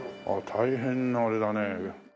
大変なあれだね。